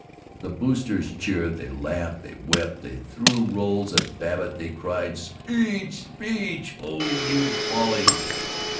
The Boosters cheered, they laughed, they wept, they threw rolls at Babbitt, they cried, "Speech, speech! Oh you Folly!"